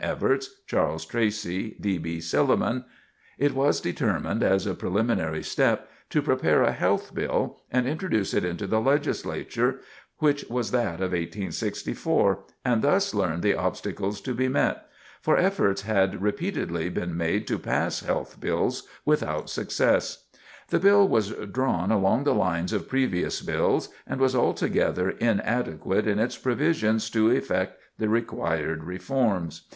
Evarts, Charles Tracy, D. B. Silliman. [Sidenote: A Health Bill] It was determined, as a preliminary step, to prepare a "Health Bill" and introduce it into the Legislature, which was that of 1864, and thus learn the obstacles to be met; for efforts had repeatedly been made to pass health bills without success. The bill was drawn along the lines of previous bills, and was altogether inadequate in its provisions to effect the required reforms.